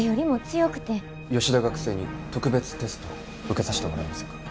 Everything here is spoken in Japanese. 吉田学生に特別テストを受けさしてもらえませんか？